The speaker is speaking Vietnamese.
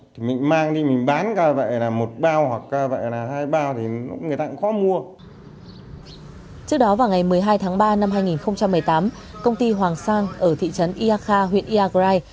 trước đó vào ngày một mươi hai tháng ba năm hai nghìn một mươi tám công ty hoàng sang ở thị trấn ia kha huyện iagrai